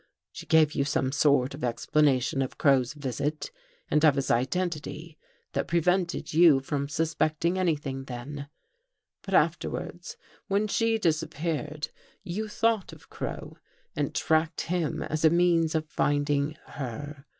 She gave you some sort of explanation of Crow's visit and of his identity that prevented you from suspecting anything then. " But afterwards, when she disappeared, you thought of Crow and tracked him as a means of finding her.